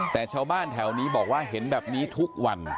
แต่ชาวบ้านแถวนี้บอกว่าเห็นแบบนี้ทุกวัน